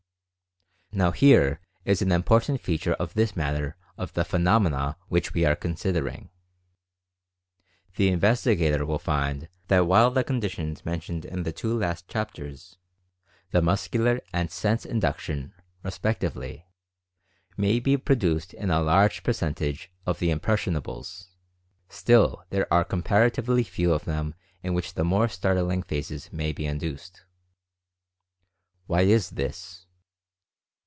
Now here is an important feature of this matter of the phenomena which we are considering. The in vestigator will find that while the conditions mentioned in the two last chapters — the muscular and sense in duction, respectively, may be produced in a large per centage of the "impressionables" still there are com paratively few of them in which the more startling phases may be induced. Why is this